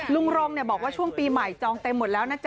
รงบอกว่าช่วงปีใหม่จองเต็มหมดแล้วนะจ๊